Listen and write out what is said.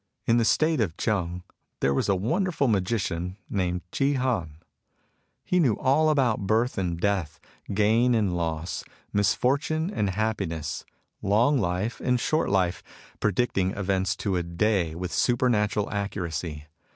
In the State of ChSng there was a wonderful magician named Chi Han. He knew all about birth and death, gain and loss, misfortune and happiness, long life and short life — ^predicting events to a day with supernatural accuracy.